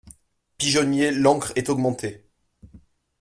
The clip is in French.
Pigeonnier L'encre est augmentée.